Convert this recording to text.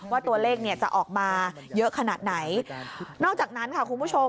ว่าตัวเลขเนี่ยจะออกมาเยอะขนาดไหนนอกจากนั้นค่ะคุณผู้ชม